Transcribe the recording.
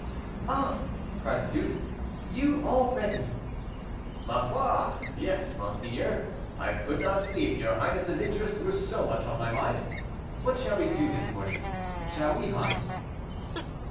"Ah!" cried the duke, "you already!" "Ma foi! yes, monseigneur; I could not sleep, your highness's interests were so much on my mind. What shall we do this morning? Shall we hunt?"